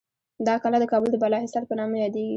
دا کلا د کابل د بالاحصار په نامه یادیږي.